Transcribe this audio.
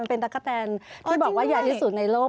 ที่บอกว่าใหญ่ที่สุดในโลก